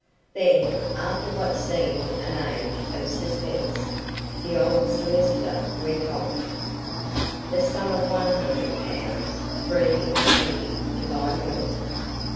Then, after what seemed an age of suspense, the old solicitor went on: "The sum of one hundred pounds, free of duty, to buy mourning."